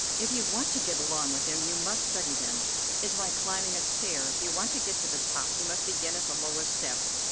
If you want to get along with them, you must study them. It's like climbing a stair; if you want to get to the top you must begin at the lowest step.